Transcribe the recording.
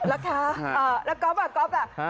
แล้วค่ะแล้วก็ก๊อฟน่ะ